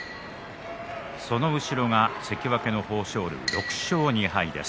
その後ろが関脇の豊昇龍です